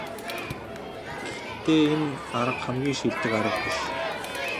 Гэхдээ энэ арга хамгийн шилдэг арга биш.